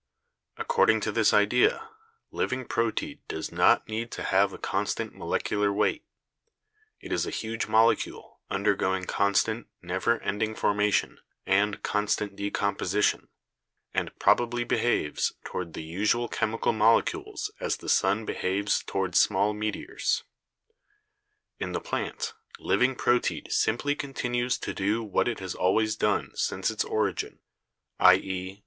According to this idea, living proteid does not need to have a constant molecular weight ; it is a huge molecule undergoing constant, never ending formation and constant decomposition, and probably be haves toward the usual chemical molecules as the sun behaves toward small meteors. "In the plant, living proteid simply continues to do what it has always done since its origin — i.e.